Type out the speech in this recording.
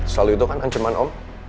selalu itu kan ancaman anaknya kan